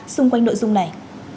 xung quanh nội dung này